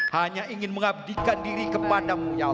hanya ingin mengabdikan diri kepadamu ya allah